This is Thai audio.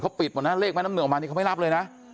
ปิดหมดนะเลขแม่น้ำหนึ่งออกมานี่เขาไม่รับเลยนะ